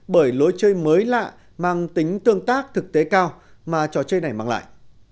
bởi lối chơi mới lạ mang tính tương tác thực tế cao mà trò chơi này mang lại